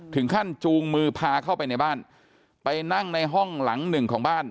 จูงมือพาเข้าไปในบ้านไปนั่งในห้องหลังหนึ่งของบ้าน